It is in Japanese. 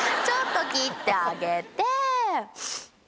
ちょっと切ってあげて。